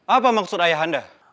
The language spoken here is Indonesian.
apa maksud ayah anda